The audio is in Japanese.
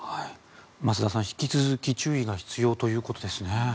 増田さん、引き続き注意が必要ということですね。